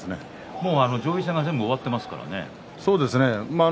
もう上位戦は終わっていますからね。